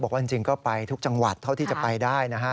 บอกว่าจริงก็ไปทุกจังหวัดเท่าที่จะไปได้นะฮะ